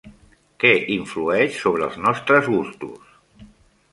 Què influeix sobre els nostres gustos?